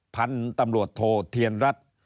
พันธนตรวจโทเทียนรัฐ